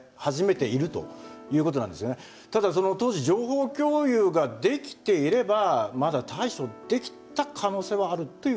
ただ当時情報共有ができていればまだ対処できた可能性はあるということなんですかね。